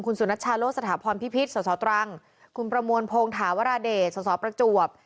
คุณสุนัชชาโลสถาพรพิพิษสสตรังคุณประมวลพงศาวราเดชสสประจวบ